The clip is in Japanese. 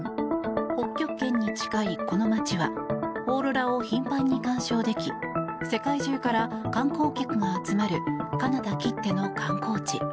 北極圏に近いこの街はオーロラを頻繁に鑑賞でき世界中から観光客が集まるカナダきっての観光地。